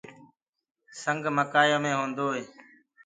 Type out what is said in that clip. سنگ مڪآيو مي هوندوئي